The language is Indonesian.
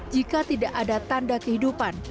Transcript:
jika tidak ada tanda kehidupan